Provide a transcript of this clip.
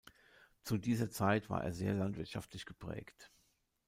Zu dieser Zeit war er sehr landwirtschaftlich geprägt.